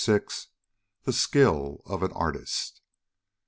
THE SKILL OF AN ARTIST.